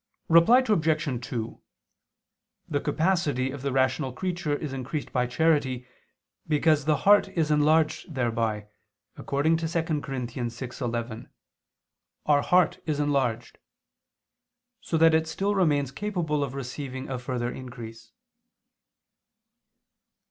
Reply Obj. 2: The capacity of the rational creature is increased by charity, because the heart is enlarged thereby, according to 2 Cor. 6:11: "Our heart is enlarged"; so that it still remains capable of receiving a further increase.